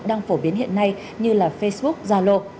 đang phổ biến hiện nay như là facebook zalo